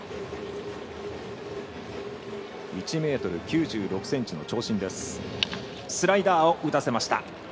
１ｍ９６ｃｍの長身です。